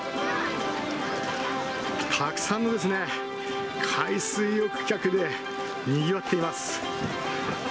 たくさんの海水浴客でにぎわっています。